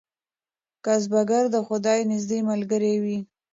کسبګر د خدای نږدې ملګری وي.